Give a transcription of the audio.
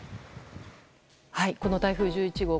この台風１１号